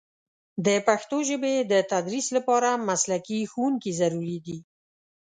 د پښتو ژبې د تدریس لپاره مسلکي ښوونکي ضروري دي.